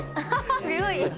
強い。